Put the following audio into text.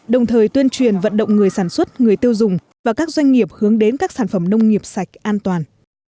đồng thời tuyên truyền vận động người sản xuất người tiêu dùng và các doanh nghiệp hướng đến các sản phẩm nông nghiệp sạch an toàn